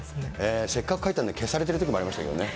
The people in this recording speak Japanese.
せっかく書いたのに、消されてるときもありましたけどね。